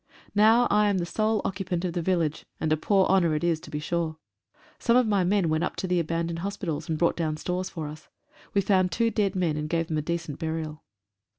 Now I am the sole occupant of the village, and a poor honour it is to be sure. Some of my men went up to the abandoned hospitals and brought down stores for us. We found two dead men, and gave them a decent burial.